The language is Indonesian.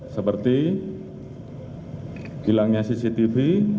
seperti hilangnya cctv